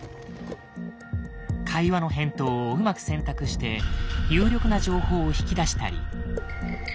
会話の返答をうまく選択して有力な情報を引き出したり。